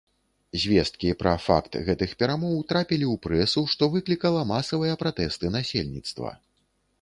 Звесткі пра факт гэтых перамоў трапілі ў прэсу, што выклікала масавыя пратэсты насельніцтва.